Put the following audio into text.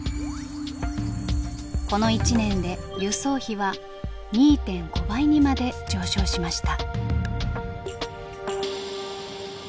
この１年で輸送費は２．５倍にまで上昇しました。